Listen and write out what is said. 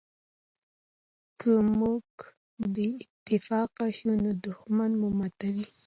که موږ بې اتفاقه شو نو دښمن مو ماتوي.